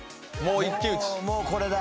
もうこれだ。